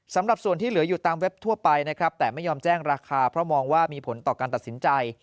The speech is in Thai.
สำหรับส่วนที่เหลืออยู่ตามเว็บทั่วไปนะครับแต่ไม่ยอมแจ้งราคาเพราะมองว่ามีผลต่อการตัดสินใจ